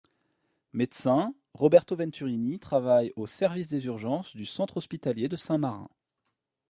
Médecin, Roberto Venturini travaille au service des urgences du centre hospitalier de Saint-Marin.